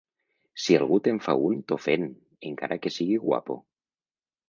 Si algú te'n fa un t'ofén, encara que sigui guapo.